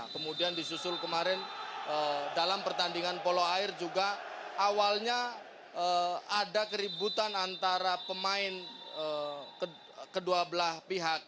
kemudian disusul kemarin dalam pertandingan polo air juga awalnya ada keributan antara pemain kedua belah pihak